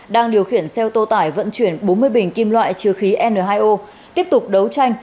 đang điều khiển xe ô tô tải vận chuyển bốn mươi bình kim loại chứa khí n hai o tiếp tục đấu tranh